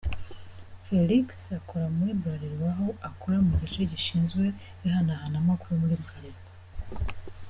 Felix akora muri Buralirwa aho akora mu gice gishinzwe ihanahanamakuru muri Bralirwa.